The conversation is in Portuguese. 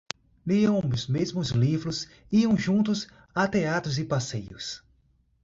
Liam os mesmos livros, iam juntos a teatros e passeios.